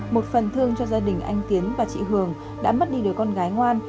một phần thương cho gia đình anh tiến và chị hường đã mất đi được con gái ngoan